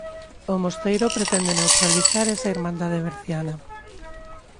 O mosteiro pretende neutralizar esa irmandade berciana.